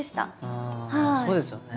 ああそうですよね。